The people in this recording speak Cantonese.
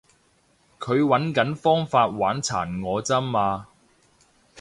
佢搵緊方法玩殘我咋嘛